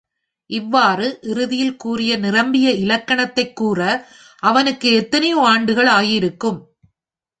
இவ்வாறு இறுதியில் கூறிய நிரம்பிய இலக்கணத்தைக் கூற, அவனுக்கு எத்தனையோ ஆண்டுகள் ஆகியிருக்கும்.